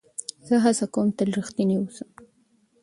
زه هڅه کوم تل رښتینی واوسم.